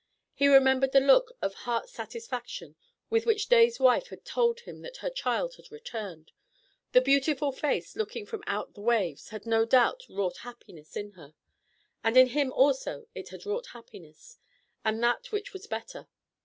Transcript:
He remembered the look of heart satisfaction with which Day's wife had told him that her child had returned. The beautiful face looking from out the waves had no doubt wrought happiness in her; and in him also it had wrought happiness, and that which was better.